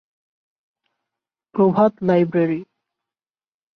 Prabhat library.